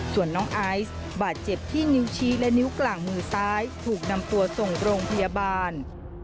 ส่วนน้องไอซ์บาดเจ็บที่นิ้วชี้และนิ้วกลางมือซ้ายถูกนำตัวส่งโรงพยาบาล